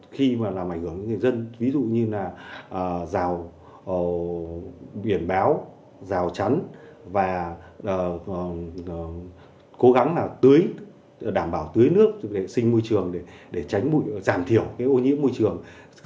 khi mà làm ảnh hưởng người dân ví dụ như là rào biển béo rào trắn và cố gắng là tưới đảm bảo tưới nước để sinh môi trường để tránh bụi giảm thiểu cái ô nhiễm môi trường